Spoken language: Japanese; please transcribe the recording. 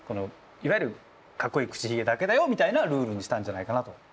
いわゆるかっこいい口ひげだけだよみたいなルールにしたんじゃないかなと。